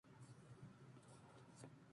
Son nativas del Caribe.